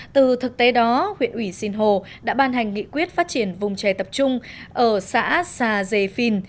từ thực tế đó huyện ủy sìn hồ đã ban hành nghị quyết phát triển vùng trẻ tập trung ở xã xà dề phìn